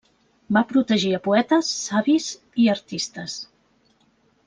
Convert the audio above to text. Va protegir a poetes, savis i artistes.